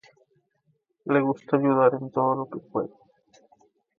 Le gusta ayudar en todo lo que puede.